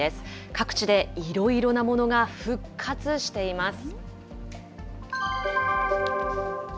各地でいろいろなものが復活しています。